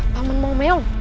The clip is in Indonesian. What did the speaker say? pakmen mau meong